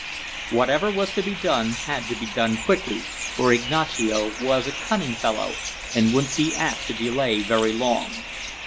Whatever was to be done had to be done quickly, for Ignacio was a cunning fellow, and wouldn't be apt to delay very long.